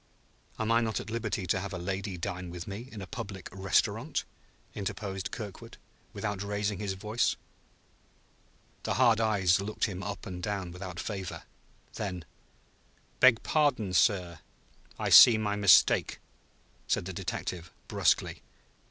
"Am I not at liberty to have a lady dine with me in a public restaurant?" interposed Kirkwood, without raising his voice. The hard eyes looked him up and down without favor. Then: "Beg pardon, sir. I see my mistake," said the detective brusquely.